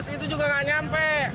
satu lima ratus itu juga nggak nyampe